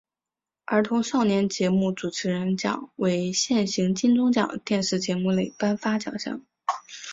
儿童少年节目主持人奖为现行金钟奖电视节目类颁发奖项。